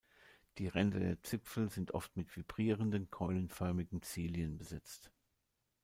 Die Ränder der Zipfel sind oft mit vibrierenden, keulenförmigen Zilien besetzt.